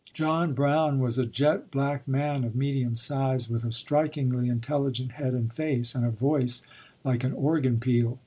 John Brown was a jet black man of medium size, with a strikingly intelligent head and face, and a voice like an organ peal.